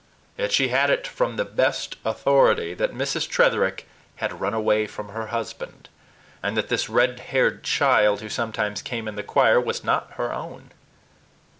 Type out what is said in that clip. Yet she had it from the best authority that Mrs. Tretherick had run away from her husband, and that this red haired child who sometimes came in the choir was not her own.